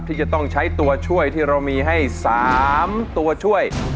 ที่จะต้องใช้ตัวช่วยที่เรามีให้๓ตัวช่วย